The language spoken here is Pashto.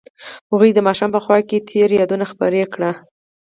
هغوی د ماښام په خوا کې تیرو یادونو خبرې کړې.